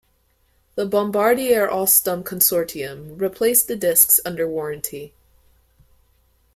The Bombardier-Alstom consortium replaced the discs under warranty.